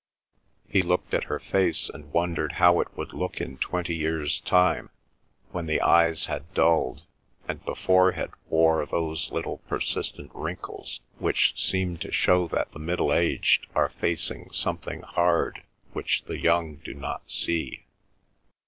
He looked at her face and wondered how it would look in twenty years' time, when the eyes had dulled, and the forehead wore those little persistent wrinkles which seem to show that the middle aged are facing something hard which the young do not see?